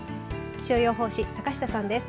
気象予報士、坂下さんです。